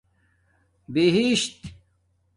بہشت